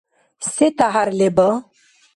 Се тяхӀяр леба?